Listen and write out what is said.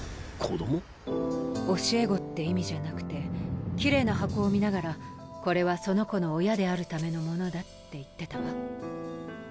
教え子って意味じゃなくてキレイな箱を見ながらこれはその子の親であるためのものだって言ってたわ。